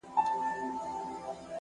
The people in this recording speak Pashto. اخلاص د باور ستنې نه پرېږدي؛